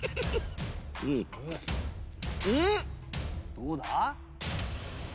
どうだ？